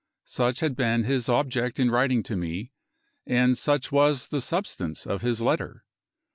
Such had been his object in writing to me; and such was the substance of his letter.